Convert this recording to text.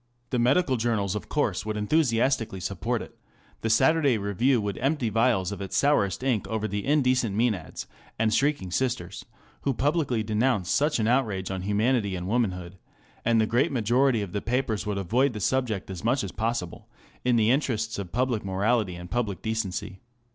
The medical journals of course would enthusiastically sup port it ; the Saturday Review would empty vials of its sourest ink over the indecent Maenads and shrieking sisters who publicly de nounced such an outrage on humanity and womanhood ; and the great majority of the papers would avoid the subject as much as possible, in the interests of public morality and public decency.